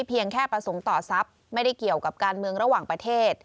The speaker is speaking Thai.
เพียงแค่ประสงค์ต่อทรัพย์ไม่ได้เกี่ยวกับการเมืองระหว่างประเทศ